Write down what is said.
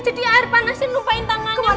jadi air panasnya lupain tangannya mbak